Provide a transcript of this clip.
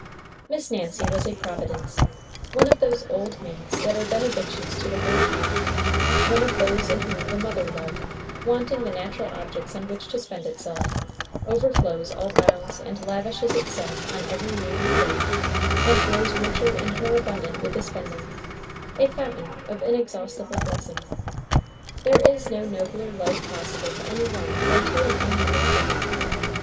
Miss Nancy was a providence, one of those old maids that are benedictions to the whole town; one of those in whom the mother love, wanting the natural objects on which to spend itself, overflows all bounds and lavishes itself on every needy thing, and grows richer and more abundant with the spending, a fountain of inexhaustible blessing. There is no nobler life possible to any one than to an unmarried woman.